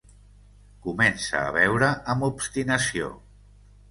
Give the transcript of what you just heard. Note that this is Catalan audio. Comença a beure amb obstinació.